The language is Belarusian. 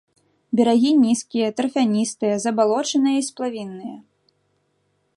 Берагі нізкія, тарфяністыя, забалочаныя і сплавінныя.